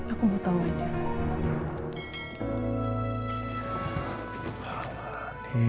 aku mau tau aja